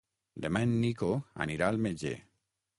Demà en Nico anirà al metge.